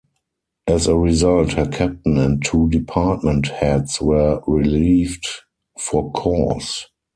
As a result, her captain and two department heads were relieved for cause.